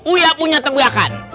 uya punya tebakan